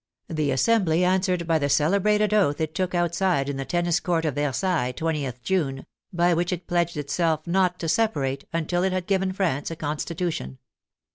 The Assembly answered by the celebrated oath it took outside in the Tennis Court of Versailles, 20th June, by which it pledged itself not to separate until it had given France a Con stitution.